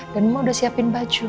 dan mama udah siapin baju